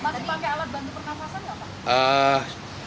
masih pakai alat bantu pernafasan nggak pak